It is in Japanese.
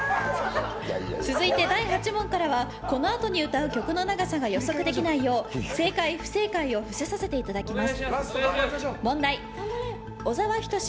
続いて第８問からはこのあとに歌う曲の長さが予測できないよう正解・不正解を伏せさせていただきます。